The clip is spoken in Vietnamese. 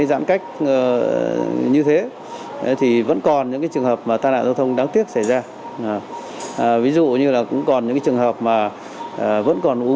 đây là một trong nhiều trường hợp tai nạn giao thông được bệnh viện một trăm chín mươi tám tiếp nhận trong thời gian qua